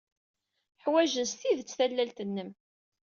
Ḥwajen s tidet tallalt-nnem.